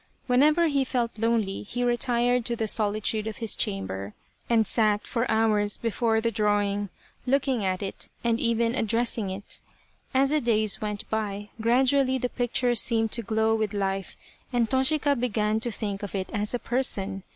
Whenever he felt lonely he retired to the solitude of his chamber, and sat for hours before the drawing, looking at it and even addressing it. As the days went by, gradu ally the picture seemed to glow with life and Toshika began to think of it as a person.